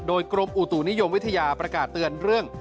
โดยกรมอุตุนิยมวิทยาประกาศเตือนเรื่อง